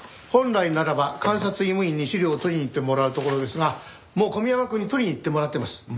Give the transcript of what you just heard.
本来ならば監察医務院に資料を取りに行ってもらうところですがもう小宮山くんに取りに行ってもらっています。